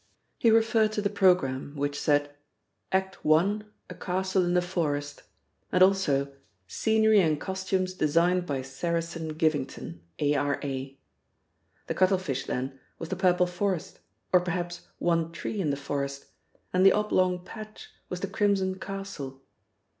He referred to the programme, which said: "Act. I. A castle in the forest," and also "Scenery and costumes designed by Saracen Givington, A.R.A." The cuttlefish, then, was the purple forest, or perhaps one tree in the forest, and the oblong patch was the crimson castle.